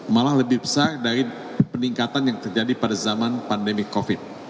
malah lebih besar dari peningkatan yang terjadi pada zaman pandemi covid